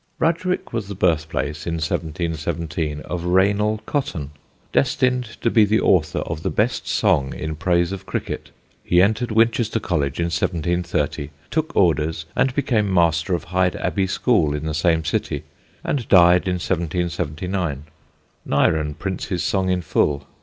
Rudgwick was the birthplace, in 1717, of Reynell Cotton, destined to be the author of the best song in praise of cricket. He entered Winchester College in 1730, took orders and became master of Hyde Abbey school in the same city, and died in 1779. Nyren prints his song in full.